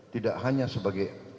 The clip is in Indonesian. tidak hanya sebagai